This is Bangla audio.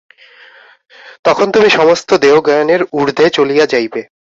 তখন তুমি সমস্ত দেহ-জ্ঞানের ঊর্ধ্বে চলিয়া যাইবে।